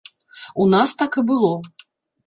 У нас так і было.